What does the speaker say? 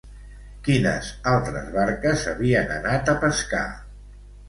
Quines altres barques havien anat a pescar?